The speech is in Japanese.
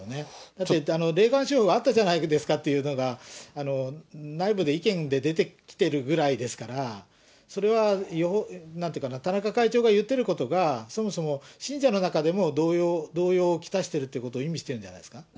だって、霊感商法あったじゃないですかっていうのが、内部で意見で出てきてるぐらいですから、それはなんというかな、田中会長が言ってることが、そもそも信者の中でも動揺をきたしているということを意味してるんじゃないですか。